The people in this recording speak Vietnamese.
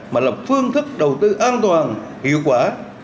mà là phương thức đầu tư an toàn hiệu quả